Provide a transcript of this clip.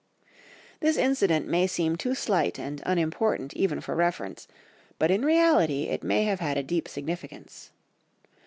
This incident may seem too slight and unimportant even for reference, but in reality it may have had a deep significance.